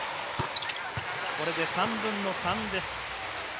これで３分の３です。